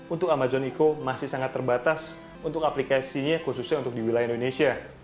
untuk amazon ico masih sangat terbatas untuk aplikasinya khususnya untuk di wilayah indonesia